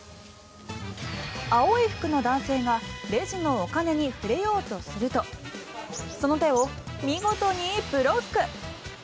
青い服の男性がレジのお金に触れようとするとその手を見事にブロック。